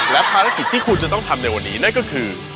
และภารกิจที่คุณจะต้องทำในวันนี้นั่นก็คือ